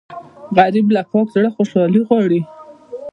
غریب له پاک زړه خوشالي غواړي